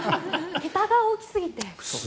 桁が大きすぎて。